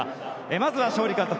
まずは勝利監督